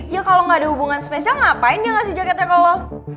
ya kalo gak ada hubungan spesial ngapain ya ngasih jaketnya kalo lo